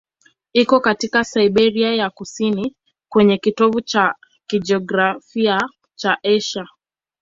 Iko katika Siberia ya kusini, kwenye kitovu cha kijiografia cha Asia.